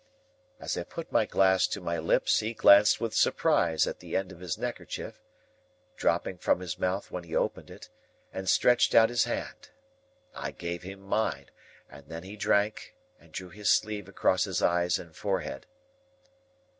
As I put my glass to my lips, he glanced with surprise at the end of his neckerchief, dropping from his mouth when he opened it, and stretched out his hand. I gave him mine, and then he drank, and drew his sleeve across his eyes and forehead.